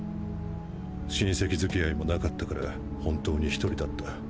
親戚付き合いもなかったから本当に一人だった。